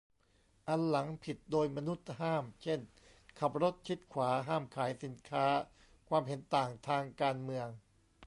อันหลัง ผิดโดยมนุษย์ห้าม เช่น ขับรถชิดขวา ห้ามขายสินค้า ความเห็นต่างทางการเมือง